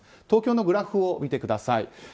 東京のグラフを見てください。